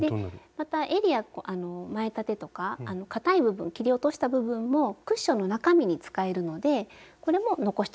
またえりや前立てとかかたい部分切り落とした部分もクッションの中身に使えるのでこれも残しておきます。